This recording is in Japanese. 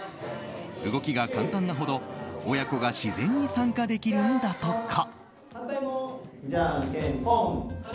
動きが簡単なほど親子が自然に参加できるんだとか。